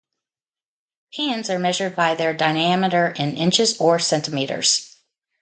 Pans are measured by their diameter in inches or centimeters.